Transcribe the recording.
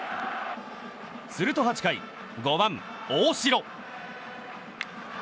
すると８回５番、大城。